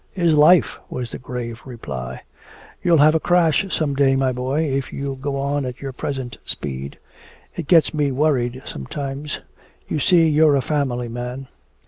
"Is life," was the grave reply. "You'll have a crash some day, my boy, if you go on at your present speed. It gets me worried sometimes. You see you're a family man."